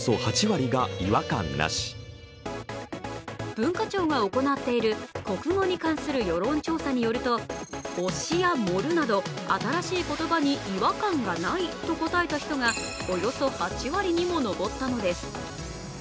文化庁が行っている国語に関する世論調査によると、推しや盛るなど新しい言葉に違和感がないと答えた人がおよそ８割にも上ったのです。